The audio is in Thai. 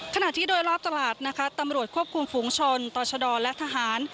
ขณะที่โดยรอบตลาดนะคะตำรวจควบคุมฝูงชนต่อชะดอและทหาร